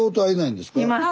います。